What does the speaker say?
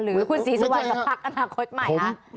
หรือคุณศรีสุวรรณกับพักอนาคตใหม่คะ